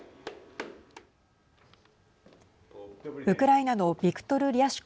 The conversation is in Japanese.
ウクライナのビクトル・リャシュコ